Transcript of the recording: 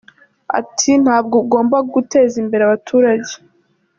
Ati “Ntabwo ugomba guteza imbere abaturage.